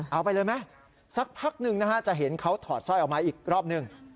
เอาไปเลยไหมสักพักหนึ่งนะฮะจะเห็นเขาถอดสร้อยออกมาอีกรอบหนึ่ง